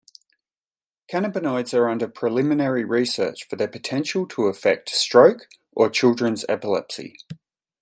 Cannabinoids are under preliminary research for their potential to affect stroke or children's epilepsy.